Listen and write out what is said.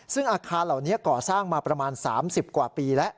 ซึ่งอาคารเหล่านี้ก่อสร้างมาประมาณ๓๐กว่าปีแล้ว